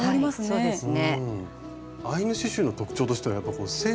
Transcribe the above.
そうですね。